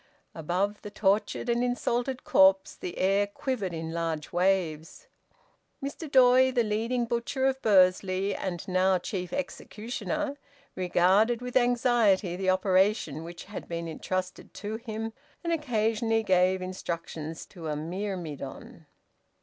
Above the tortured and insulted corpse the air quivered in large waves. Mr Doy, the leading butcher of Bursley, and now chief executioner, regarded with anxiety the operation which had been entrusted to him, and occasionally gave instructions to a myrmidon.